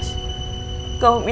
sekiranya papa mau berubah